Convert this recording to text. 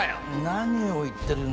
何を言ってるんだ。